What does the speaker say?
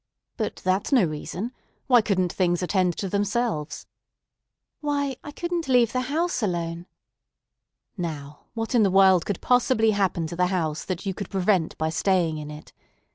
"But that's no reason. Why couldn't things attend to themselves?" "Why, I couldn't leave the house alone." "Now, what in the world could possibly happen to the house that you could prevent by staying in it?